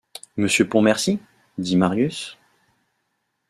Monsieur Pontmercy? dit Marius.